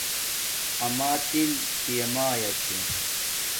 آما تل پیامایا چھے